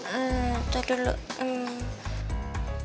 hmm nanti dulu hmm